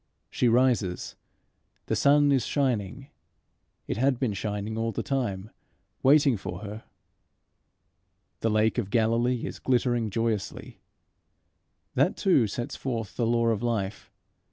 She rises. The sun is shining. It had been shining all the time waiting for her. The lake of Galilee is glittering joyously. That too sets forth the law of life.